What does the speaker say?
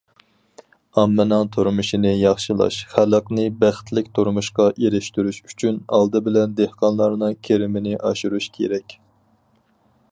ئاممىنىڭ تۇرمۇشىنى ياخشىلاش، خەلقنى بەختلىك تۇرمۇشقا ئېرىشتۈرۈش ئۈچۈن، ئالدى بىلەن دېھقانلارنىڭ كىرىمىنى ئاشۇرۇش كېرەك.